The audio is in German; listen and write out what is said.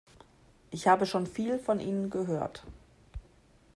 Ich habe schon viel von Ihnen gehört.